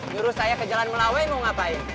juru saya ke jalan melawai mau ngapain